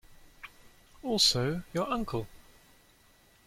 Also your uncle.